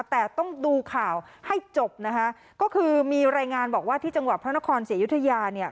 แต่ต้องดูข่าวให้จบนะคะก็คือมีรายงานบอกว่าที่จังหวัดพระนครศรีอยุธยาเนี่ย